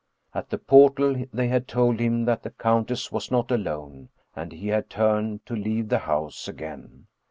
At the portal they had told him that the countess was not alone, and he had turned to leave the house again.